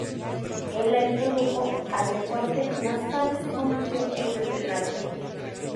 Él la introdujo al deporte y más tarde se convirtió en su entrenador.